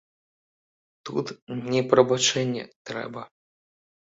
Тут не прабачэнне трэба.